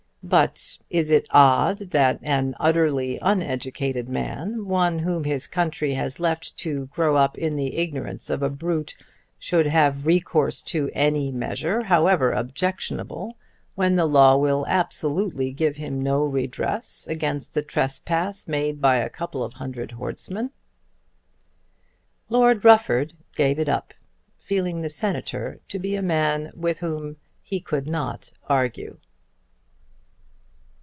"But is it odd that an utterly uneducated man, one whom his country has left to grow up in the ignorance of a brute, should have recourse to any measure, however objectionable, when the law will absolutely give him no redress against the trespass made by a couple of hundred horsemen?" Lord Rufford gave it up, feeling the Senator to be a man with whom he could not argue.